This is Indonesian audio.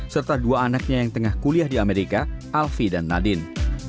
serta dua anaknya yang tengah kuliah di amerika alfie dan nadine